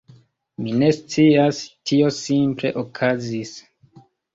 Mi ne scias, tio simple okazis.